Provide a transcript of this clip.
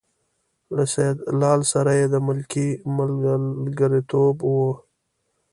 له سیدلال سره یې د ملکۍ ملګرتوب و.